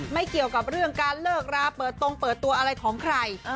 เกี่ยวกับเรื่องการเลิกราเปิดตรงเปิดตัวอะไรของใคร